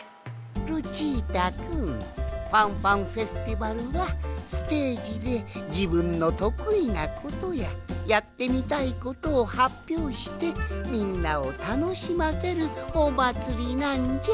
ルチータくんファンファンフェスティバルはステージでじぶんのとくいなことややってみたいことをはっぴょうしてみんなをたのしませるおまつりなんじゃ。